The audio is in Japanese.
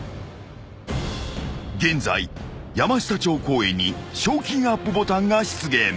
［現在山下町公園に賞金アップボタンが出現］